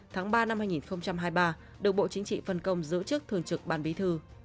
tháng ba năm hai nghìn hai mươi ba được bộ chính trị phân công giữ chức thường trực ban bí thư